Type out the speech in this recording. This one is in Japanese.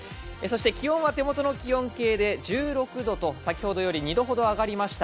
気温は手元の気温計で１６度と先ほどより２度ほど上がりました、